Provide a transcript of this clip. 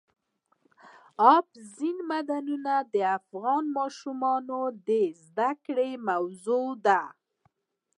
اوبزین معدنونه د افغان ماشومانو د زده کړې موضوع ده.